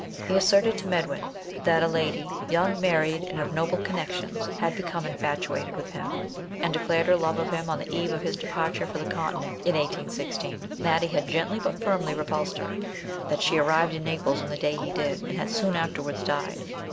He asserted to Mechvin that a lady, young, married, and of noble con nections, had become infatuated with him, and declared her love of him on the eve of his departure for the Continent in 1816; that he had gently but firmly repulsed her ; that she arrived in Naples on the day he did, and had soon afterwards died.